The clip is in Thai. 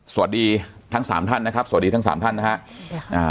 สวัสดีทั้งสามท่านนะครับสวัสดีทั้งสามท่านนะฮะอ่า